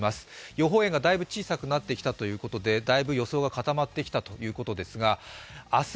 予報円がだいぶ小さくなってきたということでだいぶ予想が固まってきたということですが明日